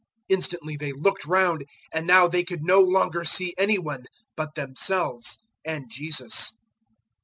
009:008 Instantly they looked round, and now they could no longer see any one, but themselves and Jesus.